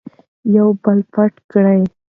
یو بل پټ کړئ.